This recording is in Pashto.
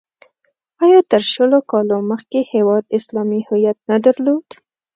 آیا تر شلو کالو مخکې هېواد اسلامي هویت نه درلود؟